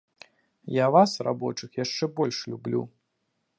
Я вас, рабочых, яшчэ больш люблю.